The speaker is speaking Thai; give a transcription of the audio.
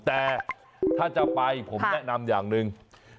แต่ถ้าจะไปผมแนะนำอย่างหนึ่ง